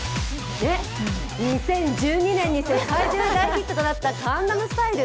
２０１２年に世界中で大ヒットとなった「江南スタイル」